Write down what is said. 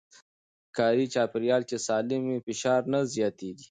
کاري چاپېريال چې سالم وي، فشار نه زياتېږي.